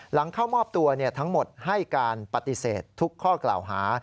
หลังเข้ามอบตัวทั้งหมดให้การปฏิเสธทุกข้อกล่าวหา